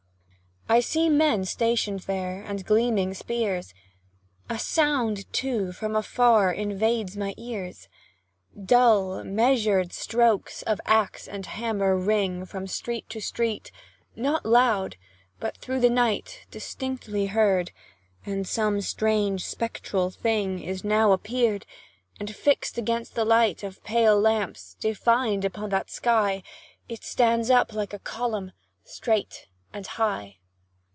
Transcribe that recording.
I see men station'd there, and gleaming spears; A sound, too, from afar, invades my ears. Dull, measured strokes of axe and hammer ring From street to street, not loud, but through the night Distinctly heard and some strange spectral thing Is now uprear'd and, fix'd against the light Of the pale lamps, defined upon that sky, It stands up like a column, straight and high.